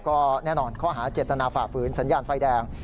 ก็แน่นอนข้อหาเจตนาฝ่าฝืนสัญญาณไฟแดง